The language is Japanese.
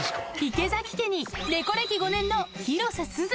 池崎家に猫歴５年の広瀬すず。